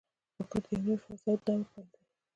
راکټ د یوه نوي فضاوي دور پیل دی